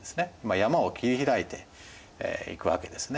山を切り開いていくわけですね。